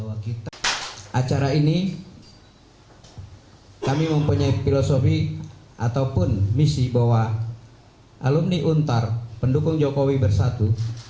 bahwa kita acara ini kami mempunyai filosofi ataupun misi bahwa alumni untar pendukung jokowi bersatu